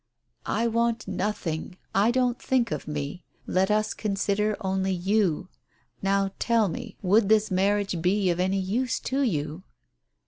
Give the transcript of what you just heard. "I want nothing I Don't think of me. Let us con sider only you. Now tell me, would this marriage be of any use to you